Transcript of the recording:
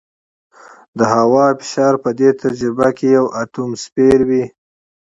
د هوا فشار په دې تجربه کې یو اټموسفیر وي.